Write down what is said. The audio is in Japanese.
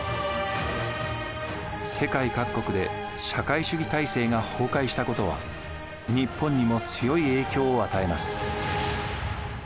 世界各国で社会主義体制が崩壊したことは日本にも強い影響を与えます。